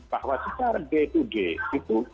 bahwa secara day to day gitu